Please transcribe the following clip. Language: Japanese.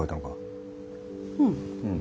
うん。